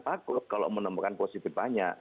takut kalau menemukan positif banyak